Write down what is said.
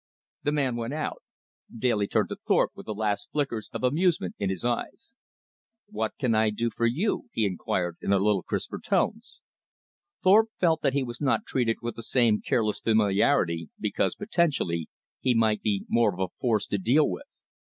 The man went out. Daly turned to Thorpe with the last flickers of amusement in his eyes. "What can I do for you?" he inquired in a little crisper tones. Thorpe felt that he was not treated with the same careless familiarity, because, potentially, he might be more of a force to deal with.